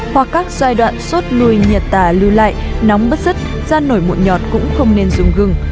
hoặc các giai đoạn sốt lùi nhiệt tả lưu lại nóng bất sức da nổi mụn nhọt cũng không nên dùng gừng